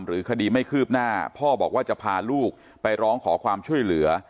คดีไม่คืบหน้าพ่อบอกว่าจะพาลูกไปร้องขอความช่วยเหลือ